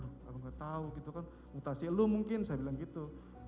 abang enggak tahu mutasi elu mungkin saya bilang gitu